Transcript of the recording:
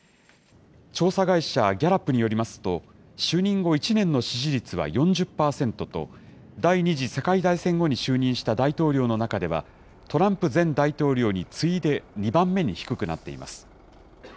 調査会社、ギャラップによりますと、就任後１年の支持率は４０％と、第２次世界大戦後に就任した大統領の中では、トランプ前大統領に次いで２番目に低くなっています。